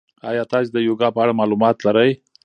ایا تاسي د یوګا په اړه معلومات لرئ؟